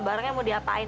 barangnya mau diapain